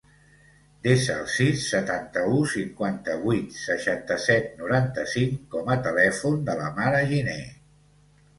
Desa el sis, setanta-u, cinquanta-vuit, seixanta-set, noranta-cinc com a telèfon de la Mara Giner.